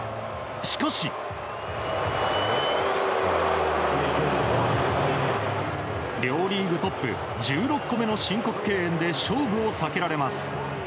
しかし、両リーグトップ１６個目の申告敬遠で勝負を避けられます。